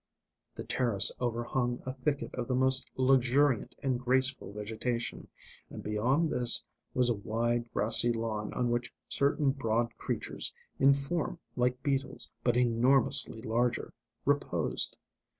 The terrace overhung a thicket of the most luxuriant and graceful vegetation, and beyond this was a wide grassy lawn on which certain broad creatures, in form like beetles but enormously larger, reposed.